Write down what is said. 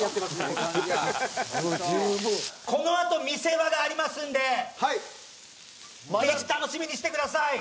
このあと見せ場がありますんでぜひ楽しみにしてください！